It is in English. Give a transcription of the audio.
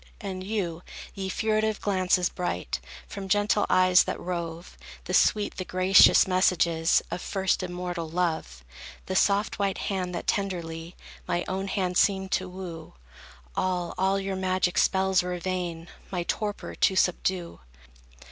And you, ye furtive glances, bright, From gentle eyes that rove, The sweet, the gracious messages Of first immortal Love; The soft, white hand, that tenderly My own hand seemed to woo; All, all your magic spells were vain, My torpor to subdue.